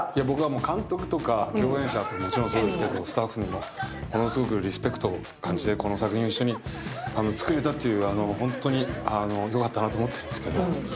僕は監督とか共演者はもちろんそうですけど、スタッフにも、ものすごくリスペクトを感じて、この作品を一緒に作れたっていう、ホントによかったなと思ってるんですけど。